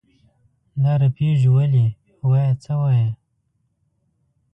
دا رپېږې ولې؟ وایه څه وایې؟